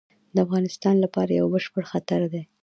د افغانستان لپاره یو بشپړ خطر دی.